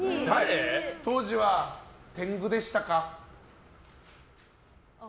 当時は天狗でしたか？